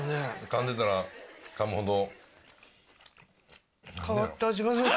かんでたらかむほど。